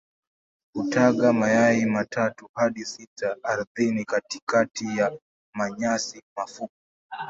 Hutaga mayai matatu hadi sita ardhini katikati ya manyasi mafupi.